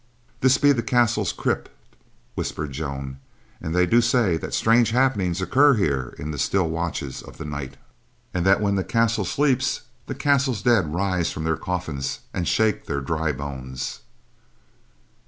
"This be the castle's crypt," whispered Joan; "and they do say that strange happenings occur here in the still watches of the night, and that when the castle sleeps, the castle's dead rise from their coffins and shake their dry bones.